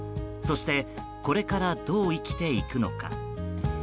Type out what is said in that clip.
そしてこれからどう生きていくのか。